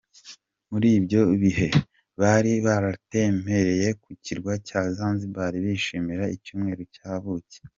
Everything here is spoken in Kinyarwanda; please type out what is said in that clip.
Muri ibyo bihe bari baratembereye ku kirwa cya Zanzibar bishimira Icyumweru cya buki.